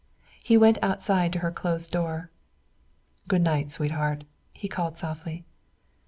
He went outside to her closed door. "Good night, sweetheart," he called softly.